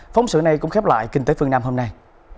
phóng sự này cũng khép lại kinh tế phương nam hôm nay